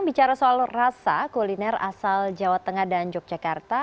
bicara soal rasa kuliner asal jawa tengah dan yogyakarta